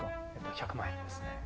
１００万円ですね。